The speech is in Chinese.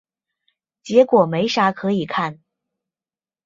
结果没啥可以看